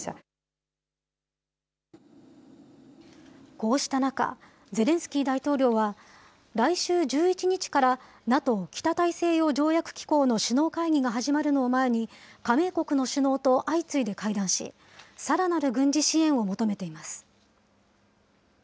こうした中、ゼレンスキー大統領は、来週１１日からＮＡＴＯ・北大西洋条約機構の首脳会議が始まるのを前に、加盟国の首脳と相次いで会談し、さらなる軍事支援を求めています。